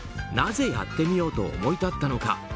なぜやってみようと思い立ったのか。